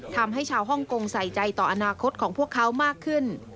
ทำให้ชาวฮ่องกงใส่ใจต่ออนาคตของพวกเขามากขึ้น